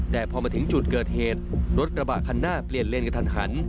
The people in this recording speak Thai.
แต่พอมาถึงจุดเกิดเหตุรถกระบะคันหน้าเปลี่ยนเลนกระทันหัน